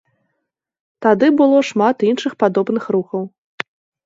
Тады было шмат іншых падобных рухаў.